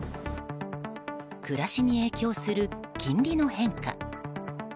暮らしに影響する金利の変化。